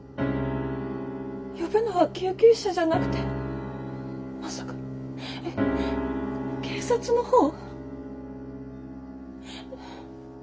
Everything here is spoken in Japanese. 呼ぶのは救急車じゃなくてまさか警察のほう？